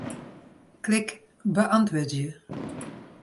Klik Beäntwurdzje.